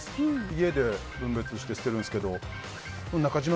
家で分別して捨てるんですけど中島